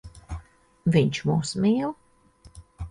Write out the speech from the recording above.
Viņš mūs mīl.